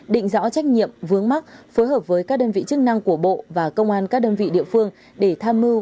định rõ trách nhiệm vướng mắc phối hợp với các đơn vị chức năng của bộ và công an các đơn vị địa phương để tham mưu